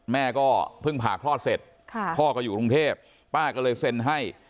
แม่ก็เพิ่งผ่าคลอดเสร็จพ่อก็อยู่กรุงเทพป้าก็เลยเซ็นให้